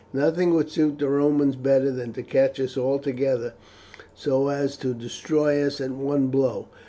"Nothing would suit the Romans better than to catch us all together, so as to destroy us at one blow.